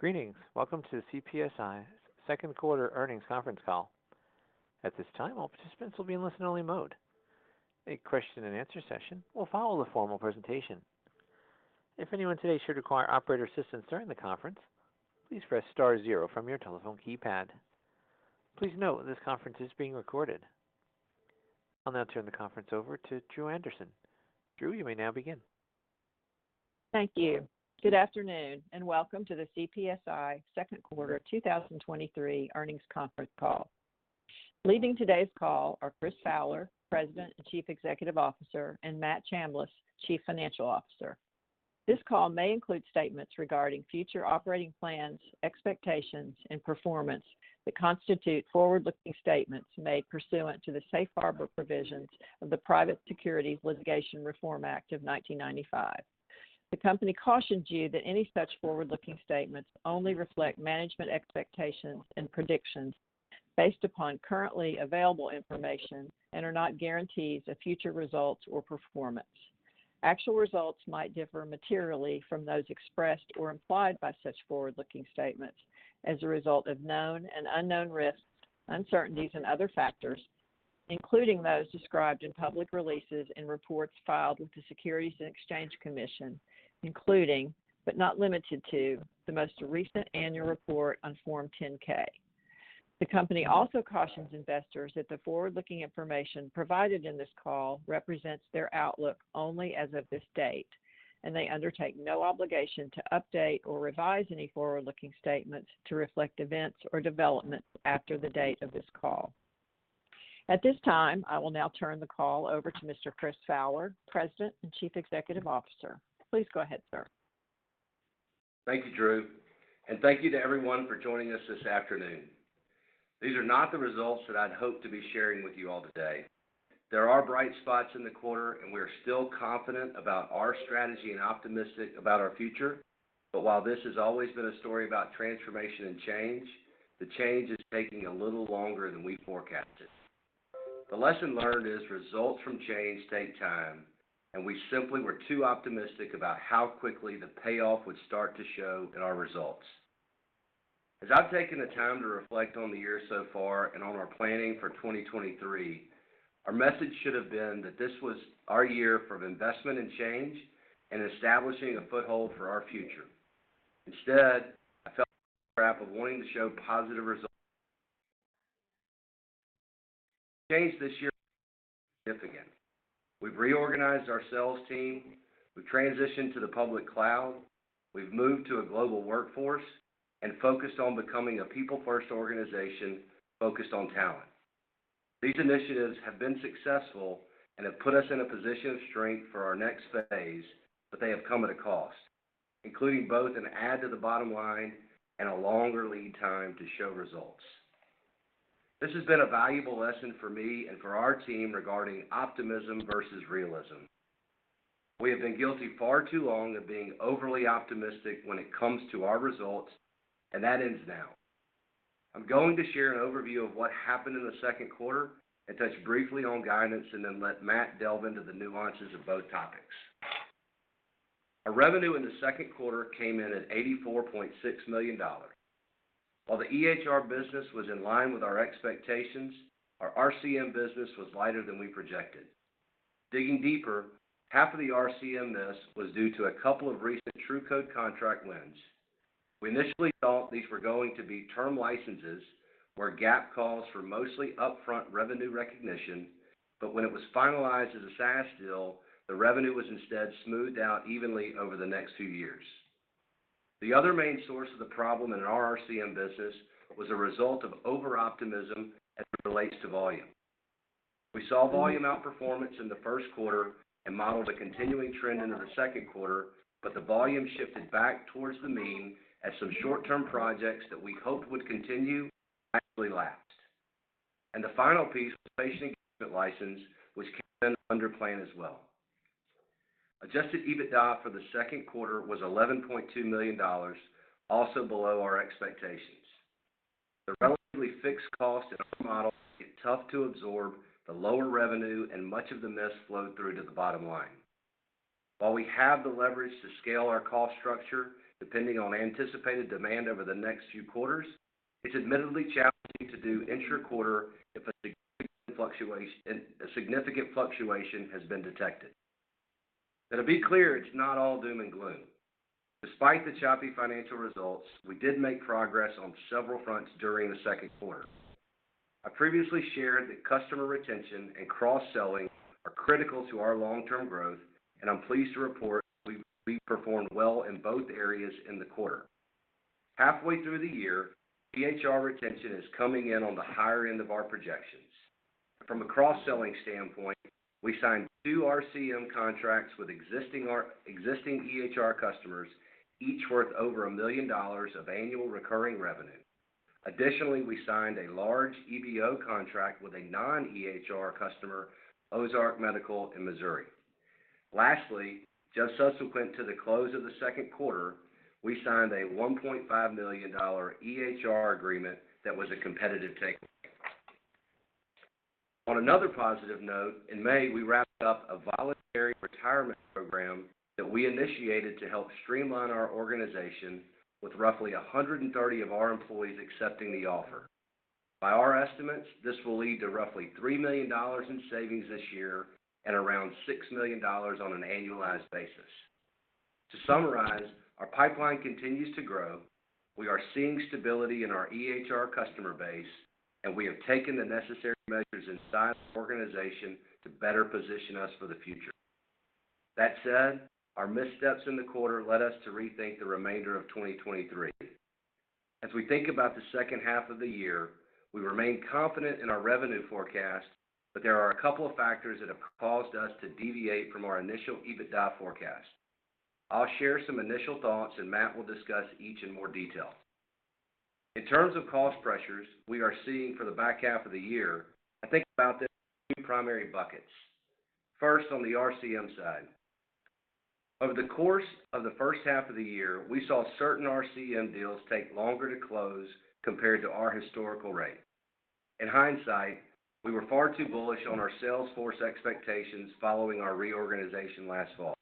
Greetings! Welcome to the CPSI's second quarter earnings conference call. At this time, all participants will be in listen-only mode. A question and answer session will follow the formal presentation. If anyone today should require operator assistance during the conference, please press star zero from your telephone keypad. Please note, this conference is being recorded. I'll now turn the conference over to Dru Anderson. Dru, you may now begin. Thank you. Good afternoon, and welcome to the CPSI second quarter of 2023 earnings conference call. Leading today's call are Chris Fowler, President and Chief Executive Officer, and Matt Chambless, Chief Financial Officer. This call may include statements regarding future operating plans, expectations, and performance that constitute forward-looking statements made pursuant to the safe harbor provisions of the Private Securities Litigation Reform Act of 1995. The company cautions you that any such forward-looking statements only reflect management expectations and predictions based upon currently available information and are not guarantees of future results or performance. Actual results might differ materially from those expressed or implied by such forward-looking statements as a result of known and unknown risks, uncertainties, and other factors, including those described in public releases and reports filed with the Securities and Exchange Commission, including, but not limited to, the most recent annual report on Form 10-K. The company also cautions investors that the forward-looking information provided in this call represents their outlook only as of this date. They undertake no obligation to update or revise any forward-looking statements to reflect events or developments after the date of this call. At this time, I will now turn the call over to Mr. Chris Fowler, President and Chief Executive Officer. Please go ahead, sir. Thank you, Dru, and thank you to everyone for joining us this afternoon. These are not the results that I'd hoped to be sharing with you all today. There are bright spots in the quarter, and we are still confident about our strategy and optimistic about our future. While this has always been a story about transformation and change, the change is taking a little longer than we forecasted. The lesson learned is results from change take time, and we simply were too optimistic about how quickly the payoff would start to show in our results. As I've taken the time to reflect on the year so far and on our planning for 2023, our message should have been that this was our year for investment and change and establishing a foothold for our future. Instead, I felt crap of wanting to show positive results. Change this year is significant. We've reorganized our sales team, we've transitioned to the public cloud, we've moved to a global workforce and focused on becoming a people-first organization focused on talent. These initiatives have been successful and have put us in a position of strength for our next phase, they have come at a cost, including both an add to the bottom line and a longer lead time to show results. This has been a valuable lesson for me and for our team regarding optimism versus realism. We have been guilty far too long of being overly optimistic when it comes to our results, that ends now. I'm going to share an overview of what happened in the second quarter and touch briefly on guidance, and then let Matt delve into the nuances of both topics. Our revenue in the second quarter came in at $84.6 million. While the EHR business was in line with our expectations, our RCM business was lighter than we projected. Digging deeper, half of the RCM miss was due to a couple of recent TruCode contract wins. We initially thought these were going to be term licenses, where GAAP calls for mostly upfront revenue recognition, but when it was finalized as a SaaS deal, the revenue was instead smoothed out evenly over the next few years. The other main source of the problem in our RCM business was a result of over-optimism as it relates to volume. We saw volume outperformance in the first quarter and modeled a continuing trend into the second quarter, but the volume shifted back towards the mean as some short-term projects that we hoped would continue actually lapsed. The final piece, the patient engagement license, was then under plan as well. Adjusted EBITDA for the second quarter was $11.2 million, also below our expectations. The relatively fixed cost in our model made it tough to absorb the lower revenue, and much of the miss flowed through to the bottom line. While we have the leverage to scale our cost structure, depending on anticipated demand over the next few quarters, it's admittedly challenging to do intra-quarter if a significant fluctuation has been detected. Now, to be clear, it's not all doom and gloom. Despite the choppy financial results, we did make progress on several fronts during the second quarter. I previously shared that customer retention and cross-selling are critical to our long-term growth, and I'm pleased to report we performed well in both areas in the quarter. Halfway through the year, EHR retention is coming in on the higher end of our projections. From a cross-selling standpoint, we signed two RCM contracts with existing EHR customers, each worth over $1 million of annual recurring revenue. Additionally, we signed a large EBO contract with a non-EHR customer, Ozarks Medical Center, in Missouri. Lastly, just subsequent to the close of the second quarter, we signed a $1.5 million EHR agreement that was a competitive take. Another positive note, in May, we wrapped up a voluntary retirement program that we initiated to help streamline our organization, with roughly 130 of our employees accepting the offer. By our estimates, this will lead to roughly $3 million in savings this year and around $6 million on an annualized basis. To summarize, our pipeline continues to grow. We are seeing stability in our EHR customer base, and we have taken the necessary measures inside the organization to better position us for the future. That said, our missteps in the quarter led us to rethink the remainder of 2023. As we think about the second half of the year, we remain confident in our revenue forecast, but there are a couple of factors that have caused us to deviate from our initial EBITDA forecast. I'll share some initial thoughts. Matt will discuss each in more detail. In terms of cost pressures we are seeing for the back half of the year, I think about this in two primary buckets. First, on the RCM side. Over the course of the first half of the year, we saw certain RCM deals take longer to close compared to our historical rate. In hindsight, we were far too bullish on our sales force expectations following our reorganization last fall.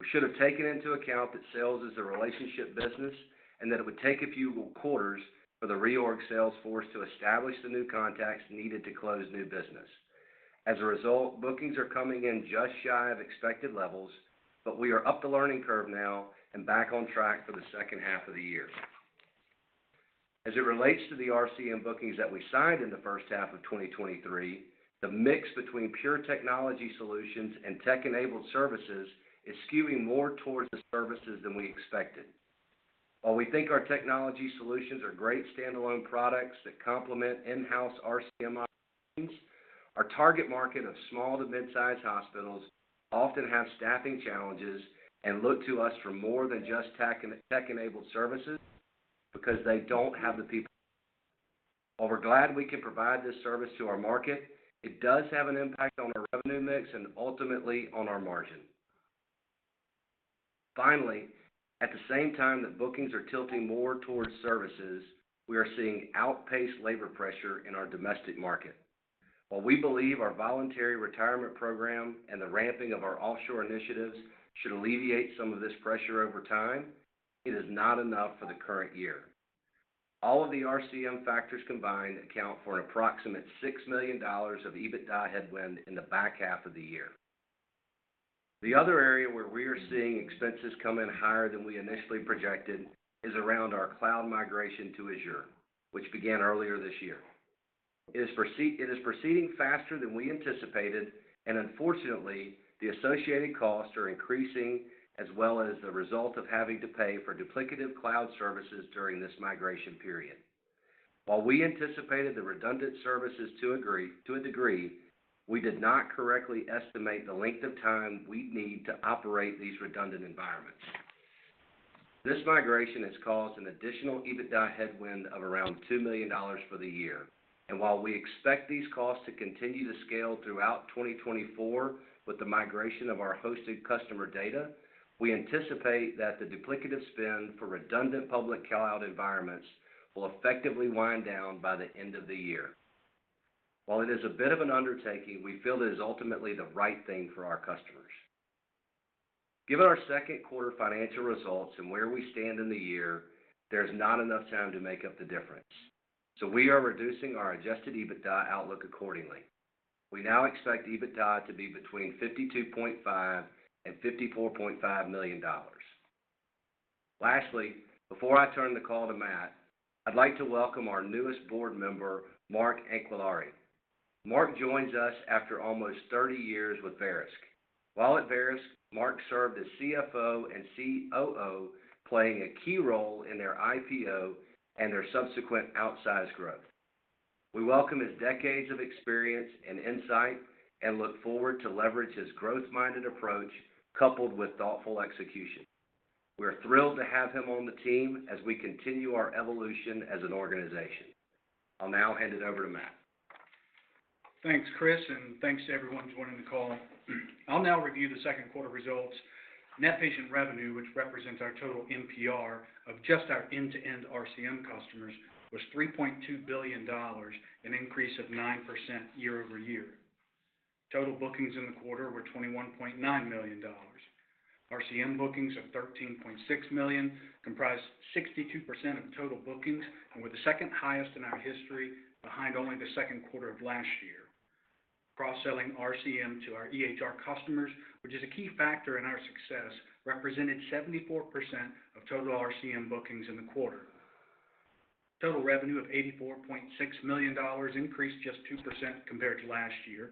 We should have taken into account that sales is a relationship business, and that it would take a few quarters for the reorg sales force to establish the new contacts needed to close new business. As a result, bookings are coming in just shy of expected levels, but we are up the learning curve now and back on track for the second half of the year. As it relates to the RCM bookings that we signed in the first half of 2023, the mix between pure technology solutions and tech-enabled services is skewing more towards the services than we expected. While we think our technology solutions are great standalone products that complement in-house RCM offerings, our target market of small to mid-sized hospitals often have staffing challenges and look to us for more than just tech-enabled services because they don't have the people. While we're glad we can provide this service to our market, it does have an impact on our revenue mix and ultimately on our margin. Finally, at the same time that bookings are tilting more towards services, we are seeing outpaced labor pressure in our domestic market. While we believe our voluntary retirement program and the ramping of our offshore initiatives should alleviate some of this pressure over time, it is not enough for the current year. All of the RCM factors combined account for an approximate $6 million of EBITDA headwind in the back half of the year. The other area where we are seeing expenses come in higher than we initially projected is around our cloud migration to Azure, which began earlier this year. It is proceeding faster than we anticipated, and unfortunately, the associated costs are increasing as well as the result of having to pay for duplicative cloud services during this migration period. While we anticipated the redundant services to a degree, we did not correctly estimate the length of time we'd need to operate these redundant environments. This migration has caused an additional EBITDA headwind of around $2 million for the year. While we expect these costs to continue to scale throughout 2024 with the migration of our hosted customer data, we anticipate that the duplicative spend for redundant public cloud environments will effectively wind down by the end of the year. While it is a bit of an undertaking, we feel it is ultimately the right thing for our customers. Given our second quarter financial results and where we stand in the year, there's not enough time to make up the difference, so we are reducing our adjusted EBITDA outlook accordingly. We now expect EBITDA to be between $52.5 million and $54.5 million. Lastly, before I turn the call to Matt, I'd like to welcome our newest board member, Mark Anquillare. Mark joins us after almost 30 years with Verisk. While at Verisk, Mark served as CFO and COO, playing a key role in their IPO and their subsequent outsized growth. We welcome his decades of experience and insight and look forward to leverage his growth-minded approach, coupled with thoughtful execution. We are thrilled to have him on the team as we continue our evolution as an organization. I'll now hand it over to Matt. Thanks, Chris, thanks to everyone joining the call. I'll now review the second quarter results. Net patient revenue, which represents our total NPR of just our end-to-end RCM customers, was $3.2 billion, an increase of 9% year-over-year. Total bookings in the quarter were $21.9 million. RCM bookings of $13.6 million comprised 62% of total bookings and were the second highest in our history, behind only the second quarter of last year. Cross-selling RCM to our EHR customers, which is a key factor in our success, represented 74% of total RCM bookings in the quarter. Total revenue of $84.6 million increased just 2% compared to last year.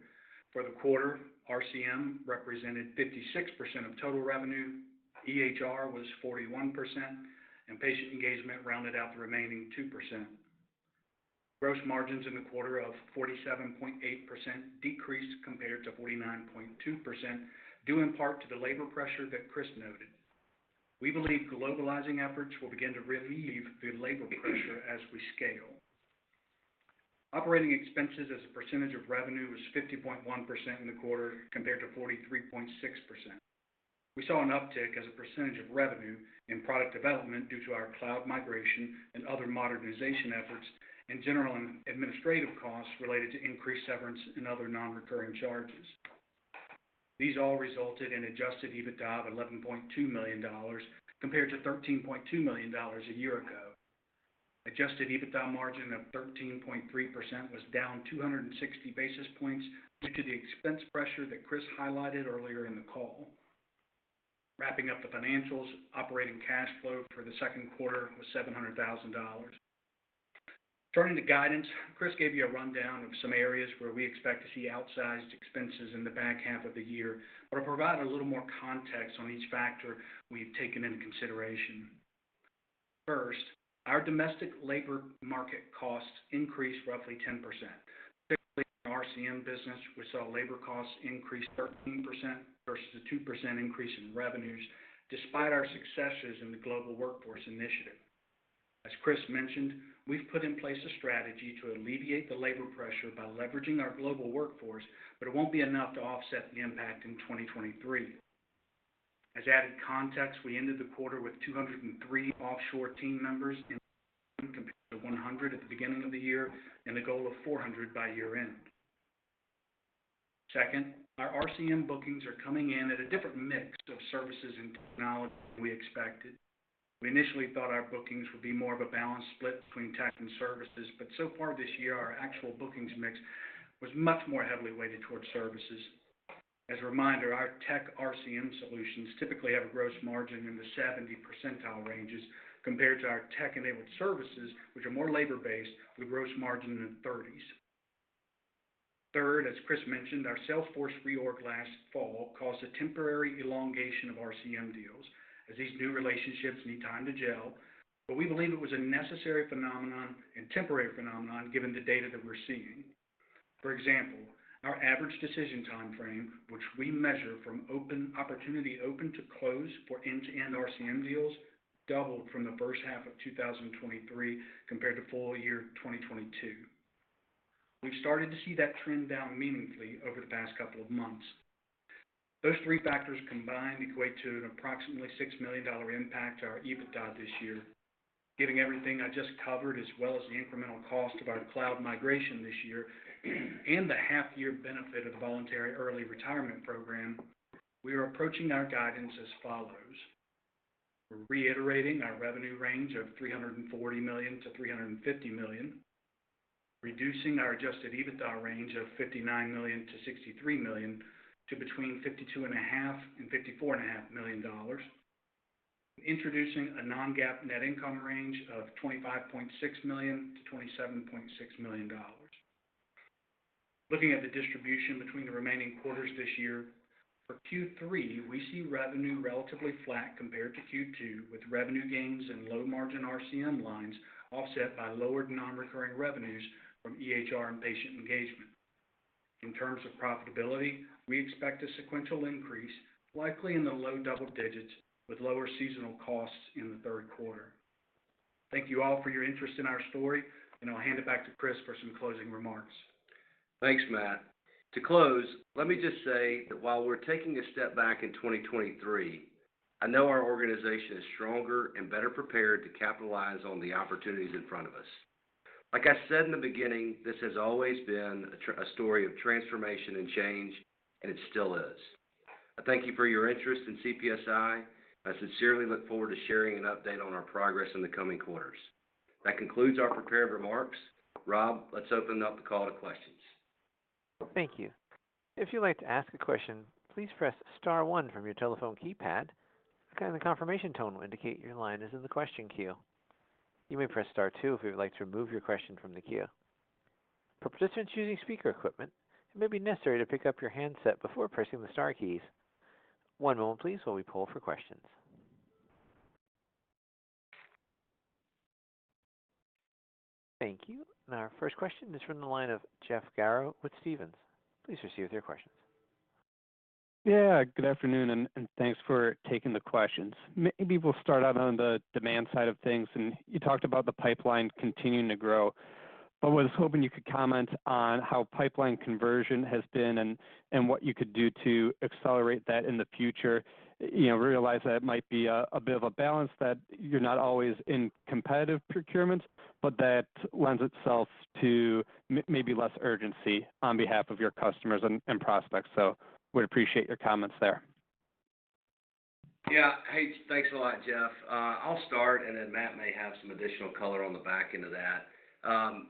For the quarter, RCM represented 56% of total revenue, EHR was 41%, and patient engagement rounded out the remaining 2%. Gross margins in the quarter of 47.8% decreased compared to 49.2%, due in part to the labor pressure that Chris noted. We believe globalizing efforts will begin to relieve the labor pressure as we scale. Operating expenses as a percentage of revenue was 50.1% in the quarter, compared to 43.6%. We saw an uptick as a percentage of revenue in product development due to our cloud migration and other modernization efforts, general and administrative costs related to increased severance and other non-recurring charges. These all resulted in adjusted EBITDA of $11.2 million, compared to $13.2 million a year ago. Adjusted EBITDA margin of 13.3% was down 260 basis points due to the expense pressure that Chris highlighted earlier in the call. Wrapping up the financials, operating cash flow for the second quarter was $700,000. Turning to guidance, Chris gave you a rundown of some areas where we expect to see outsized expenses in the back half of the year. To provide a little more context on each factor we've taken into consideration. First, our domestic labor market costs increased roughly 10%. Specifically, in RCM business, we saw labor costs increase 13% versus a 2% increase in revenues, despite our successes in the global workforce initiative. As Chris mentioned, we've put in place a strategy to alleviate the labor pressure by leveraging our global workforce, but it won't be enough to offset the impact in 2023. As added context, we ended the quarter with 203 offshore team members in compared to 100 at the beginning of the year and a goal of 400 by year-end. Second, our RCM bookings are coming in at a different mix of services and technology than we expected. We initially thought our bookings would be more of a balanced split between tech and services. So far this year, our actual bookings mix was much more heavily weighted towards services. As a reminder, our tech RCM solutions typically have a gross margin in the 70th percentile ranges, compared to our tech-enabled services, which are more labor-based, with gross margin in the 30s. Third, as Chris mentioned, our sales force reorg last fall caused a temporary elongation of RCM deals, as these new relationships need time to gel, but we believe it was a necessary phenomenon and temporary phenomenon, given the data that we're seeing. For example, our average decision time frame, which we measure from open opportunity, open to close for end-to-end RCM deals, doubled from the first half of 2023 compared to full year 2022. We've started to see that trend down meaningfully over the past couple of months. Those three factors combined equate to an approximately $6 million impact to our EBITDA this year. Giving everything I just covered, as well as the incremental cost of our cloud migration this year, and the half-year benefit of the voluntary early retirement program, we are approaching our guidance as follows: We're reiterating our revenue range of $340 million-$350 million, reducing our adjusted EBITDA range of $59 million-$63 million to between $52.5 million and $54.5 million. Introducing a non-GAAP net income range of $25.6 million-$27.6 million. Looking at the distribution between the remaining quarters this year, for Q3, we see revenue relatively flat compared to Q2, with revenue gains and low margin RCM lines offset by lower non-recurring revenues from EHR and patient engagement. In terms of profitability, we expect a sequential increase, likely in the low double digits, with lower seasonal costs in the third quarter. Thank you all for your interest in our story, and I'll hand it back to Chris for some closing remarks. Thanks, Matt. To close, let me just say that while we're taking a step back in 2023, I know our organization is stronger and better prepared to capitalize on the opportunities in front of us. Like I said in the beginning, this has always been a story of transformation and change, and it still is. I thank you for your interest in CPSI. I sincerely look forward to sharing an update on our progress in the coming quarters. That concludes our prepared remarks. Rob, let's open up the call to questions. Thank you. If you'd like to ask a question, please press star one from your telephone keypad. A kind of confirmation tone will indicate your line is in the question queue. You may press star two if you would like to remove your question from the queue. For participants using speaker equipment, it may be necessary to pick up your handset before pressing the star keys. One moment, please, while we pull for questions. Thank you. Our first question is from the line of Jeff Garro with Stephens. Please proceed with your questions. Yeah, good afternoon, and thanks for taking the questions. Maybe we'll start out on the demand side of things. You talked about the pipeline continuing to grow, but was hoping you could comment on how pipeline conversion has been and, and what you could do to accelerate that in the future. You know, realize that it might be a, a bit of a balance, that you're not always in competitive procurements, but that lends itself to maybe less urgency on behalf of your customers and, and prospects. Would appreciate your comments there. Yeah. Hey, thanks a lot, Jeff. I'll start, and then Matt may have some additional color on the back end of that.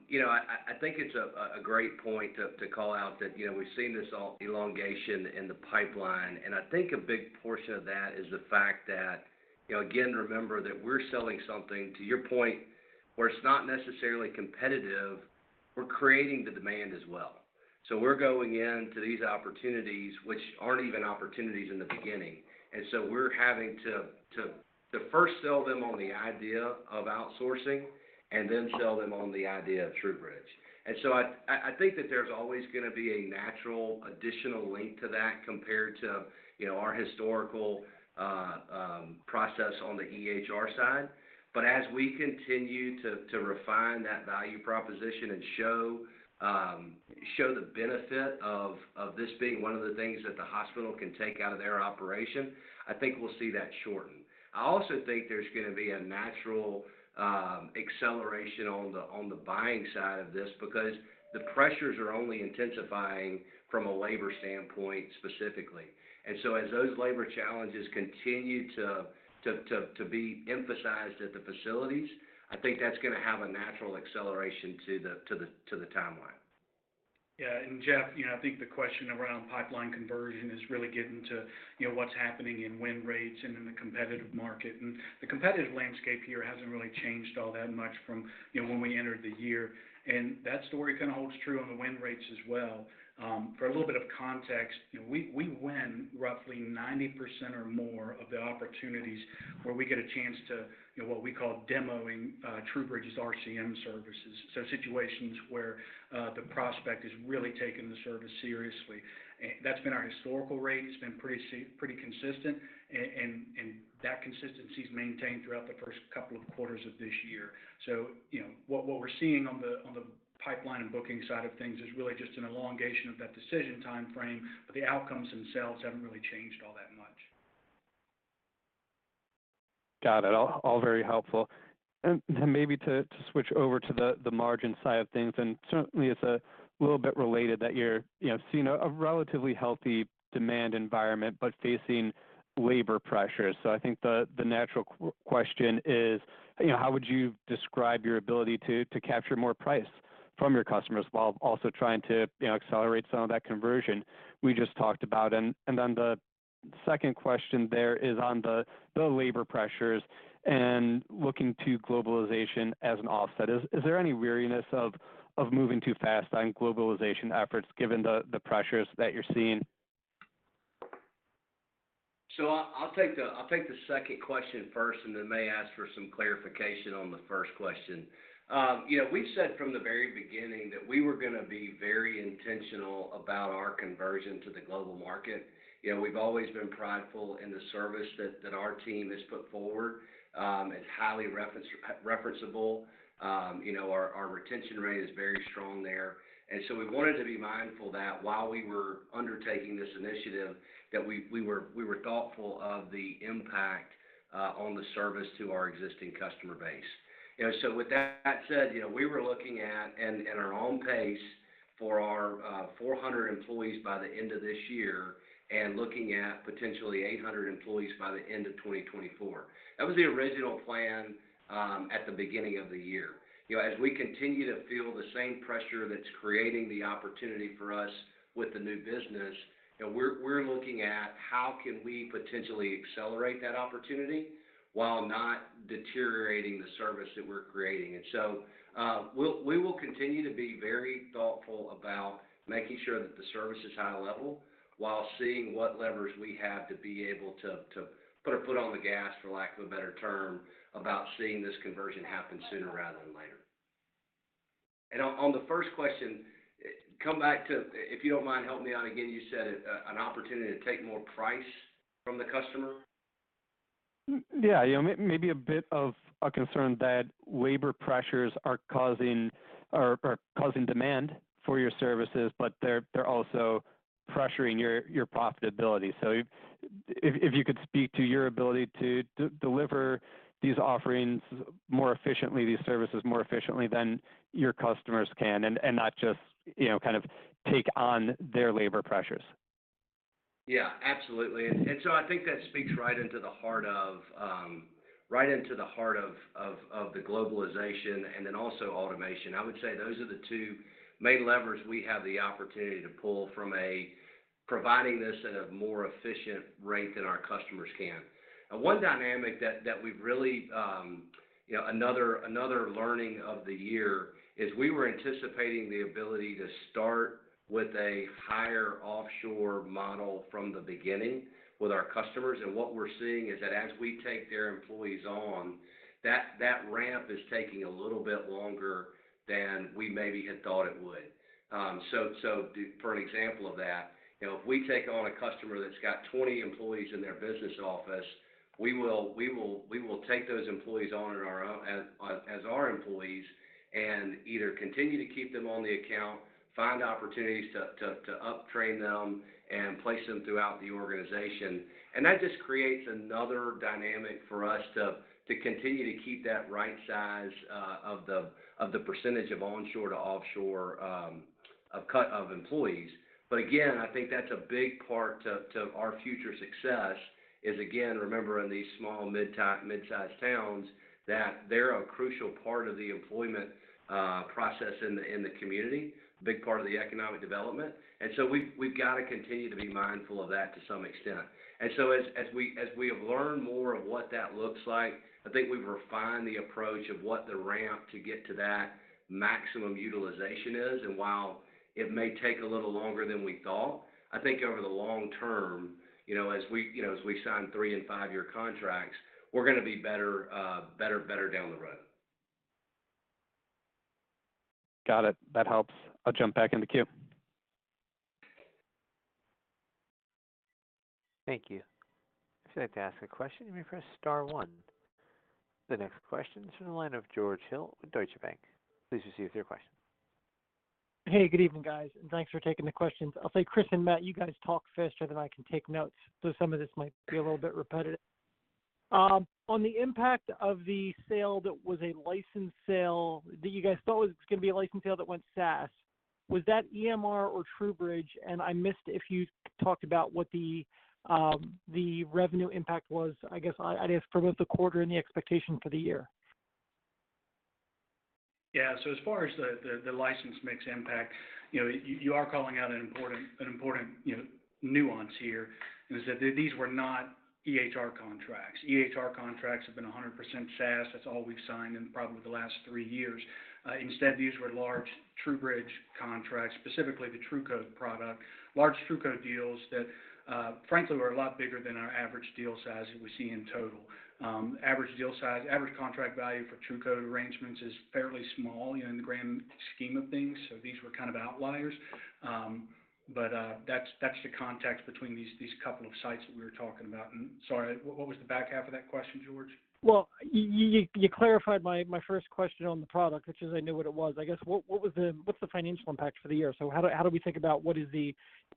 You know, I, I, I think it's a great point to, to call out that, you know, we've seen this elongation in the pipeline, and I think a big portion of that is the fact that, you know, again, remember that we're selling something, to your point, where it's not necessarily competitive, we're creating the demand as well. So we're going into these opportunities, which aren't even opportunities in the beginning, and so we're having to, to, to first sell them on the idea of outsourcing and then sell them on the idea of TruBridge. I, I, I think that there's always gonna be a natural additional link to that compared to, you know, our historical. process on the EHR side. As we continue to, to refine that value proposition and show, show the benefit of, of this being one of the things that the hospital can take out of their operation, I think we'll see that shorten. I also think there's gonna be a natural acceleration on the, on the buying side of this, because the pressures are only intensifying from a labor standpoint, specifically. As those labor challenges continue to, to, to, to be emphasized at the facilities, I think that's gonna have a natural acceleration to the, to the, to the timeline. Yeah, and Jeff, you know, I think the question around pipeline conversion is really getting to, you know, what's happening in win rates and in the competitive market. And the competitive landscape here hasn't really changed all that much from, you know, when we entered the year, and that story kinda holds true on the win rates as well. For a little bit of context, you know, we, we win roughly 90% or more of the opportunities where we get a chance to, you know, what we call demoing TruBridge's RCM services. So situations where the prospect is really taking the service seriously. And that's been our historical rate. It's been pretty consistent, and, and, and that consistency is maintained throughout the first couple of quarters of this year. You know, what we're seeing on the, on the pipeline and booking side of things is really just an elongation of that decision time frame, but the outcomes themselves haven't really changed all that much. Got it. All, all very helpful. Then maybe to, to switch over to the, the margin side of things, and certainly, it's a little bit related that you're, you know, seeing a, a relatively healthy demand environment, but facing labor pressures. I think the, the natural question is, you know, how would you describe your ability to, to capture more price from your customers while also trying to, you know, accelerate some of that conversion we just talked about? Then the second question there is on the, the labor pressures and looking to globalization as an offset. Is there any wariness of, of moving too fast on globalization efforts, given the, the pressures that you're seeing? I, I'll take the-- I'll take the second question first, and then may ask for some clarification on the first question. You know, we've said from the very beginning that we were gonna be very intentional about our conversion to the global market. You know, we've always been prideful in the service that, that our team has put forward. It's highly referen- referencable. You know, our, our retention rate is very strong there. We wanted to be mindful that while we were undertaking this initiative, that we, we were, we were thoughtful of the impact on the service to our existing customer base. You know, with that said, you know, we were looking at, and in our own pace, for our 400 employees by the end of this year and looking at potentially 800 employees by the end of 2024. That was the original plan at the beginning of the year. You know, as we continue to feel the same pressure that's creating the opportunity for us with the new business, you know, we're, we're looking at how can we potentially accelerate that opportunity while not deteriorating the service that we're creating. We will continue to be very thoughtful about making sure that the service is high level, while seeing what levers we have to be able to, to put our foot on the gas, for lack of a better term, about seeing this conversion happen sooner rather than later. On, on the first question, come back to... If you don't mind, help me out again, you said, an opportunity to take more price from the customer? Yeah, you know, maybe a bit of a concern that labor pressures are causing or, or causing demand for your services, but they're, they're also pressuring your, your profitability. If, if, if you could speak to your ability to deliver these offerings more efficiently, these services more efficiently than your customers can, and, and not just, you know, kind of take on their labor pressures. Yeah, absolutely. So I think that speaks right into the heart of, right into the heart of, of, of the globalization and then also automation. I would say those are the two main levers we have the opportunity to pull from a providing this at a more efficient rate than our customers can. One dynamic that, that we've really, you know, another, another learning of the year is we were anticipating the ability to start with a higher offshore model from the beginning with our customers. What we're seeing is that as we take their employees on, that, that ramp is taking a little bit longer than we maybe had thought it would. For an example of that, you know, if we take on a customer that's got 20 employees in their business office, we will, we will, we will take those employees on in our own as, as our employees, and either continue to keep them on the account, find opportunities to, to, to uptrain them, and place them throughout the organization. That just creates another dynamic for us to, to continue to keep that right size of the, of the percentage of onshore to offshore of cut of employees. Again, I think that's a big part to, to our future success, is again, remembering these small, mid-size towns, that they're a crucial part of the employment process in the, in the community, a big part of the economic development. We've, we've got to continue to be mindful of that to some extent. As, as we, as we have learned more of what that looks like, I think we've refined the approach of what the ramp to get to that maximum utilization is. While it may take a little longer than we thought, I think over the long term, you know, as we, you know, as we sign three- and five-year contracts, we're gonna be better, better down the road. Got it. That helps. I'll jump back in the queue. Thank you. If you'd like to ask a question, you may press star one. The next question is from the line of George Hill with Deutsche Bank. Please proceed with your question. Hey, good evening, guys, and thanks for taking the questions. I'll say, Chris Fowler and Matt Chambless, you guys talk faster than I can take notes, so some of this might be a little bit repetitive. On the impact of the sale that was a license sale, that you guys thought was gonna be a license sale that went SaaS, was that EMR or TruBridge? I missed if you talked about what the revenue impact was. I guess I, I'd ask for both the quarter and the expectation for the year. Yeah. As far as the, the, the license mix impact, you know, you, you are calling out an important, an important, you know, nuance here, and is that these were not EHR contracts. EHR contracts have been 100% SaaS. That's all we've signed in probably the last three years. Instead, these were large TruBridge contracts, specifically the TruCode product. Large TruCode deals that, frankly, were a lot bigger than our average deal size that we see in total. Average deal size, average contract value for TruCode arrangements is fairly small, you know, in the grand scheme of things, so these were kind of outliers. That's, that's the context between these, these couple of sites that we were talking about. Sorry, what, what was the back half of that question, George? Well, you, you, you clarified my, my first question on the product, which is I knew what it was. I guess, what's the financial impact for the year? How do, how do we think about what is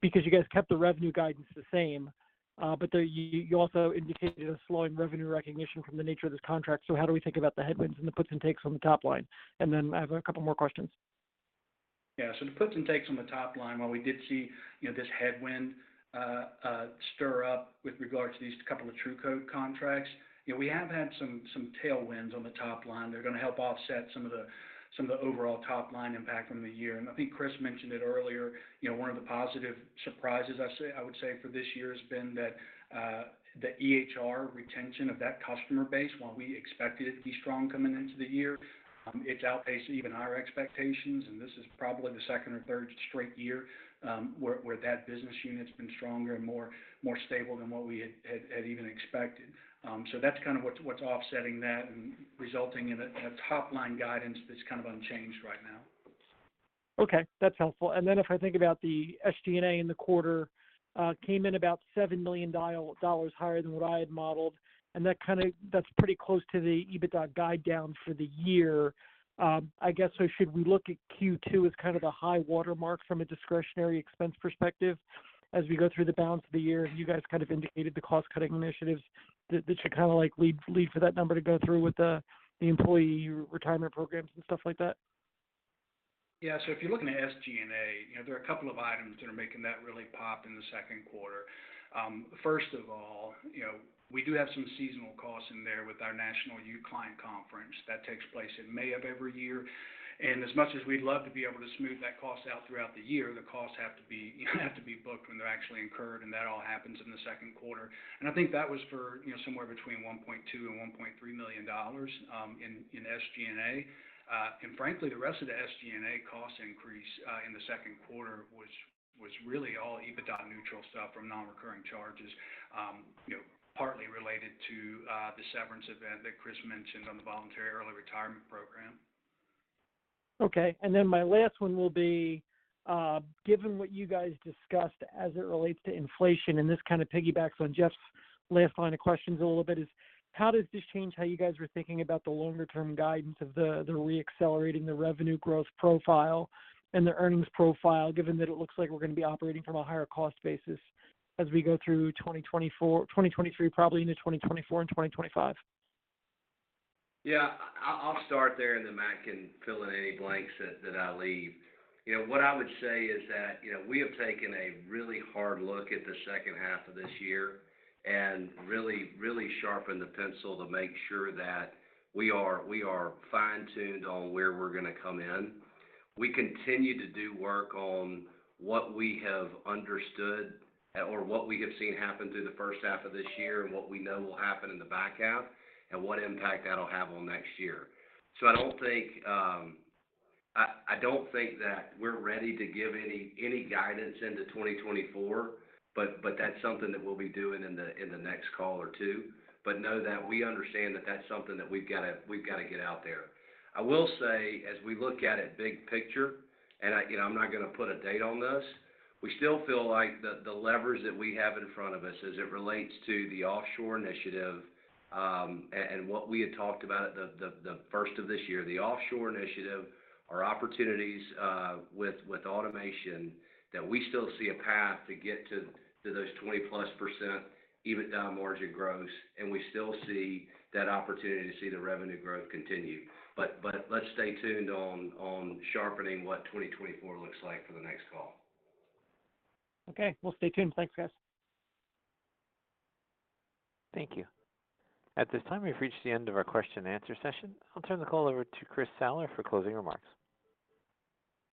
because you guys kept the revenue guidance the same, but there you, you also indicated a slowing revenue recognition from the nature of this contract. How do we think about the headwinds and the puts and takes on the top line? I have a couple more questions. Yeah. The puts and takes on the top line, while we did see, you know, this headwind stir up with regard to these two TruCode contracts, you know, we have had some, some tailwinds on the top line. They're gonna help offset some of the, some of the overall top-line impact from the year. I think Chris mentioned it earlier, you know, one of the positive surprises I say, I would say for this year has been that the EHR retention of that customer base, while we expected it to be strong coming into the year, it's outpaced even our expectations, and this is probably the second or third straight year, where, where that business unit's been stronger and more, more stable than what we had, had, had even expected. That's kind of what's, what's offsetting that and resulting in a, a top-line guidance that's kind of unchanged right now. Okay, that's helpful. If I think about the SG&A in the quarter, came in about $7 million higher than what I had modeled, and that kind of. That's pretty close to the EBITDA guide down for the year. I guess, should we look at Q2 as kind of the high watermark from a discretionary expense perspective as we go through the balance of the year? You guys kind of indicated the cost-cutting initiatives that should kind of like lead for that number to go through with the employee retirement programs and stuff like that. Yeah, so if you're looking at SG&A, you know, there are a couple of items that are making that really pop in the second quarter. First of all, you know, we do have some seasonal costs in there with our National Client Conference. That takes place in May of every year, and as much as we'd love to be able to smooth that cost out throughout the year, the costs have to be, you know, have to be booked when they're actually incurred, and that all happens in the second quarter. I think that was for, you know, somewhere between $1.2 million and $1.3 million in SG&A. Frankly, the rest of the SG&A cost increase in the second quarter was really all EBITDA-neutral stuff from non-recurring charges, you know, partly related to the severance event that Chris mentioned on the voluntary early retirement program. Okay. Then my last one will be, given what you guys discussed as it relates to inflation, and this kind of piggybacks on Jeff's last line of questions a little bit, is: How does this change how you guys were thinking about the longer-term guidance of the, the re-accelerating the revenue growth profile and the earnings profile, given that it looks like we're gonna be operating from a higher cost basis as we go through 2024... 2023, probably into 2024 and 2025? Yeah. I-I'll start there, and then Matt can fill in any blanks that, that I leave. You know, what I would say is that, you know, we have taken a really hard look at the second half of this year and really, really sharpened the pencil to make sure that we are, we are fine-tuned on where we're going to come in. We continue to do work on what we have understood, or what we have seen happen through the first half of this year and what we know will happen in the back half, and what impact that'll have on next year. I don't think, I, I don't think that we're ready to give any, any guidance into 2024, but that's something that we'll be doing in the, in the next call or two. Know that we understand that that's something that we've got to, we've got to get out there. I will say, as we look at it big picture, and I, you know, I'm not gonna put a date on this, we still feel like the, the levers that we have in front of us as it relates to the offshore initiative, and what we had talked about at the first of this year, the offshore initiative, our opportunities, with automation, that we still see a path to get to, to those 20%+ EBITDA margin gross, and we still see that opportunity to see the revenue growth continue. Let's stay tuned on sharpening what 2024 looks like for the next call. Okay. We'll stay tuned. Thanks, guys. Thank you. At this time, we've reached the end of our question and answer session. I'll turn the call over to Chris Fowler for closing remarks.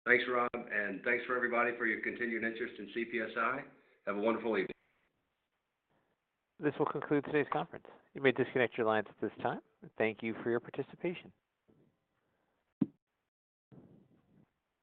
Thanks, Rob, and thanks for everybody for your continued interest in CPSI. Have a wonderful evening. This will conclude today's conference. You may disconnect your lines at this time. Thank you for your participation.